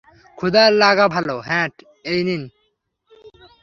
ক্ষুধা লাগা ভালো - হ্যাঁ এই নিন।